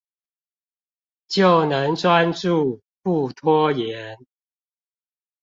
就能專注、不拖延